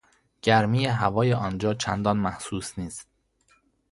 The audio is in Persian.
گرمی هوای آنجا چندان محسوس نیست